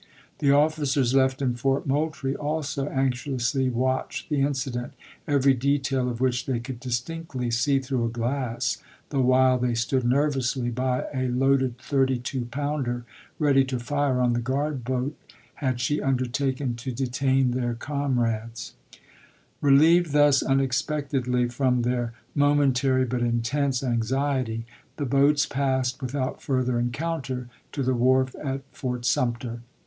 The officers left in Fort Moultrie also anxiously watched the incident, every detail of which they could distinctly see through a glass, the while they stood nervously by a loaded thirty two pounder ready to fire on the Dawson, p. guard boat had she undertaken to detain their com 52. Note by t Crawford, rades. Believed thus unexpectedly from their momen tary but intense anxiety, the boats passed without further encounter to the wharf at Fort Sumter.